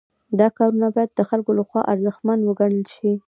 دا کارونه باید د خلکو لخوا خورا ارزښتمن وګڼل شي.